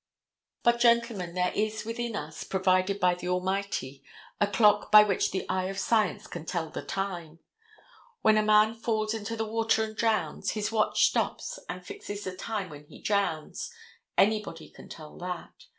But, Gentlemen, there is within us, provided by the Almighty, a clock by which the eye of science can tell the time. When a man falls into the water and drowns, his watch stops and fixes the time when he drowns; anybody can tell that.